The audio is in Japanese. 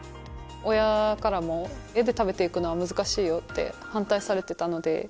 親からも「絵で食べていくのは難しいよ」って反対されてたので。